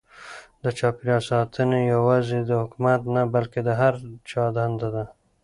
د چاپیریال ساتنه یوازې د حکومت نه بلکې د هر چا دنده ده.